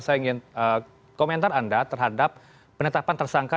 saya ingin komentar anda terhadap penetapan tersangka